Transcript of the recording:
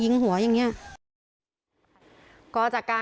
สินชายเจ้าพ่อขอบคุณค่ะ